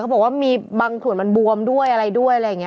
บอกว่ามีบางส่วนมันบวมด้วยอะไรด้วยอะไรอย่างนี้